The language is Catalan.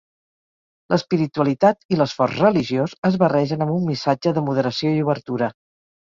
L'espiritualitat i l'esforç religiós es barregen amb un missatge de moderació i obertura.